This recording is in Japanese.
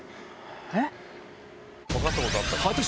えっ？